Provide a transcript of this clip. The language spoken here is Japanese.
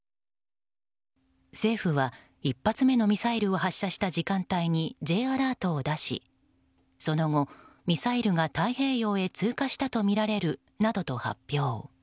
政府は１発目のミサイルを発射した時間帯にＪアラートを出しその後ミサイルが太平洋へ通過したとみられるなどと発表。